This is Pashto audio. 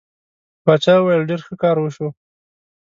باچا وویل ډېر ښه کار وشو.